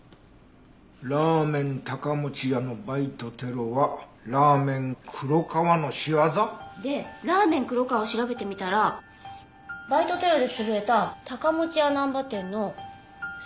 「ラーメン高持屋のバイトテロはラーメン黒川の仕業」？でラーメン黒川を調べてみたらバイトテロで潰れた高持屋難波店のすぐ近くでした。